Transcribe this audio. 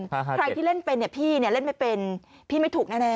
ใครที่เล่นเป็นพี่เล่นไม่เป็นพี่ไม่ถูกแน่